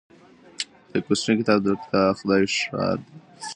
د اګوستین کتاب د خدای ښار دی.